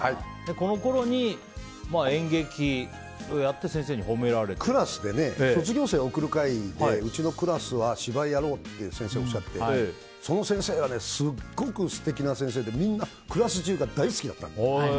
このころに演劇をやってクラスで卒業生を送る会でうちのクラスは芝居をやろうって先生がおっしゃってその先生がすっごく素敵な先生でみんなクラス中が大好きだったの。